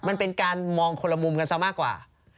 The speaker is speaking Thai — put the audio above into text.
มันเป็นการมองคนละมุมกันซะมากกว่า